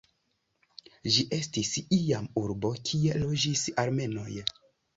Ĝi estis iam urbo kie loĝis armenoj.